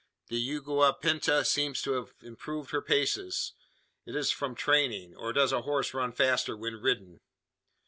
The yegua pinta seems to have improved her paces. Is it from training; or does a horse run faster when ridden?